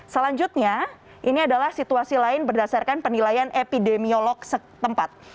selanjutnya ini adalah situasi lain berdasarkan penilaian epidemiolog setempat